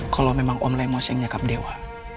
kalau memang om lemos yang nyakap dewa